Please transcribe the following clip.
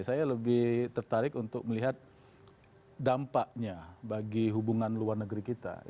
saya lebih tertarik untuk melihat dampaknya bagi hubungan luar negeri kita